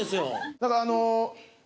何かあの。